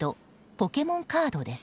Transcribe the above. ポケモンカードです。